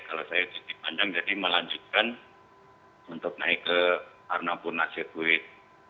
kalau saya warga negara indonesia nya panjang jadi melanjutkan untuk naik ke alkanah purna circuit